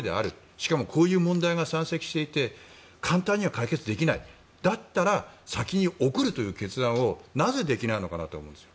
しかもこういう問題が山積していて簡単には解決できないだったら、先に送るという決断をなぜできないのかなと思うんです。